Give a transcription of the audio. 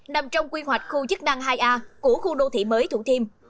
nằm trong quy hoạch khu chức năng hai a của khu đô thị mới thủ thiêm